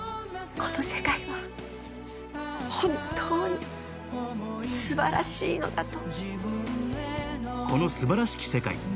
この世界は本当に素晴らしいのだと。